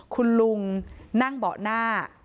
คุณลุงนั่งเบาะหน้า